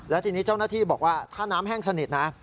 แล้วทีนี้เจ้าหน้าที่บอกว่าถ้าน้ำแห้งสนิทนะ